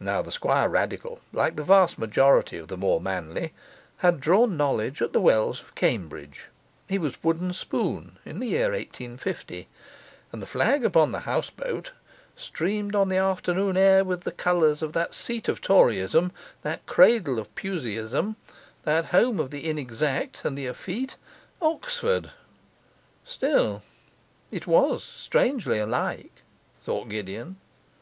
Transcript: Now the Squirradical, like the vast majority of the more manly, had drawn knowledge at the wells of Cambridge he was wooden spoon in the year 1850; and the flag upon the houseboat streamed on the afternoon air with the colours of that seat of Toryism, that cradle of Puseyism, that home of the inexact and the effete Oxford. Still it was strangely like, thought Gideon.